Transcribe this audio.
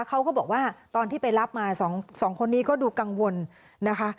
เขาก็บอกว่าตอนที่ไปรับมาสองคนนี้ก็ดูกังวลนะคะ